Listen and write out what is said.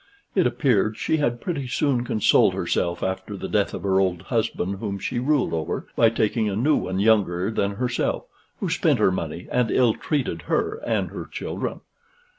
It appeared she had pretty soon consoled herself after the death of her old husband, whom she ruled over, by taking a new one younger than herself, who spent her money and ill treated her and her children.